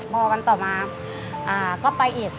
พอวันต่อมาก็ไปอีก